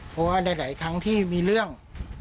เพราะว่าหลายครั้งที่มีเรื่อง